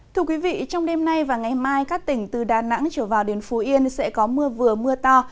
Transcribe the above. thưa quý vị trong đêm nay và ngày mai các tỉnh từ đà nẵng trở vào đến phú yên sẽ có mưa vừa mưa to